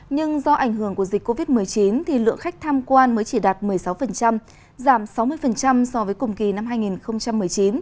nhưng do ảnh hưởng của dịch covid một mươi chín thì lượng khách tham quan mới chỉ đạt một mươi sáu giảm sáu mươi so với cùng kỳ năm hai nghìn một mươi chín